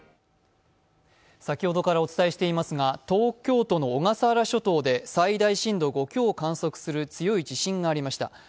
先ほどからお伝えしていますが、東京都の小笠原諸島で最大震度５強を観測する強い地震がありました。